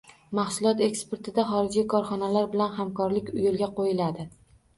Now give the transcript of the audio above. Mahsulotlar eksportida xorijiy korxonalar bilan hamkorlik yo‘lga qo‘yiladi